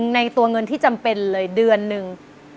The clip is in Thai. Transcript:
ในตัวเงินที่จำเป็นเลยเดือนหนึ่ง